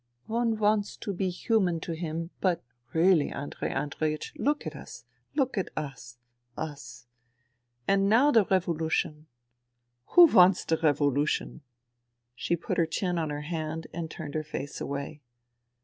One wants to be human to him, but really, Andrei Andreiech, look at us, look at us ... us. ... And now the revolution. Who wants the revolution ?'* She put her chin on her hand and turned her face away.